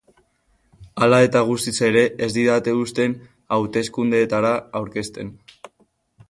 Hala eta guztiz ere, ez didate uzten hauteskundeetara aurkezten.